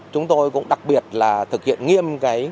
chúng tôi cũng đặc biệt là thực hiện nghiêm